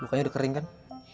lukanya udah kering kan